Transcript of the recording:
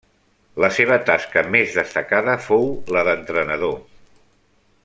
La seva tasca més destacada fou la d'entrenador.